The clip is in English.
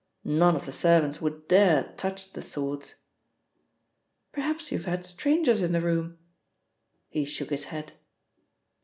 None of the servants would dare touch the swords." "Perhaps you've had strangers in the room." He shook his head.